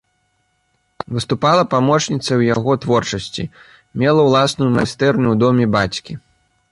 Выступала памочніцай ў яго творчасці, мела ўласную майстэрню ў доме бацькі.